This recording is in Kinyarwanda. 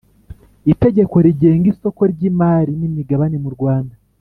Itegeko rigenga isoko ry imari n imigabane mu Rwanda